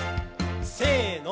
せの。